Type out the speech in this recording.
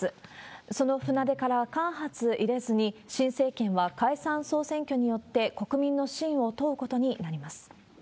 その船出から間髪入れずに新政権は解散・総選挙によって国民の信を問うことになります。